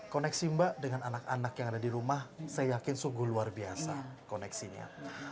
koneksi mbak dengan anak anak yang ada di rumah saya yakin sungguh luar biasa koneksinya